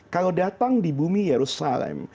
kalau datang di bumi yerusalem